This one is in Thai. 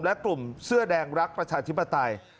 และกลุ่มเสื้อแดงรักประชาธิปไตย